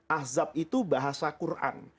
ahzab itu bahasa quran